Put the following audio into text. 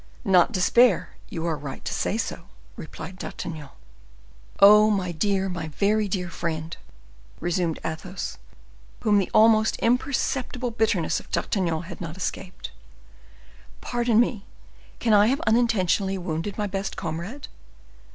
"Not despair! you are right to say so!" replied D'Artagnan. "Oh! my dear, very dear friend," resumed Athos, whom the almost imperceptible bitterness of D'Artagnan had not escaped. "Pardon me! can I have unintentionally wounded my best comrade?"